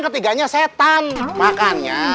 ketiganya setan makanya